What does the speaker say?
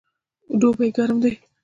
دوبی ګرم دی